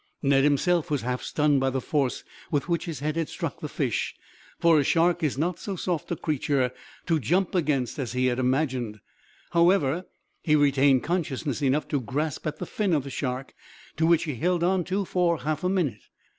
Ned himself was half stunned by the force with which his head had struck the fish, for a shark is not so soft a creature to jump against as he had imagined; however, he retained consciousness enough to grasp at the fin of the shark, to which he held on for half a minute.